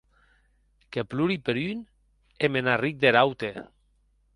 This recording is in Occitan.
Que plori per un, e me n’arric der aute.